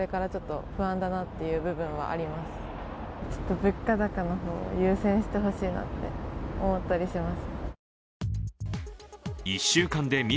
物価高の方を優先してほしいなと思ったりします。